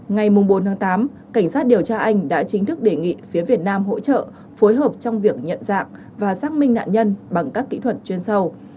ngày bốn tám cảnh sát điều tra anh đã chính thức đề nghị phía việt nam hỗ trợ phối hợp trong việc nhận dạng và xác minh nạn nhân bằng các kỹ thuật chuyên sâu